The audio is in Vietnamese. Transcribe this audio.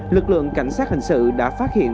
lực lượng cảnh sát hình sự đã phát hiện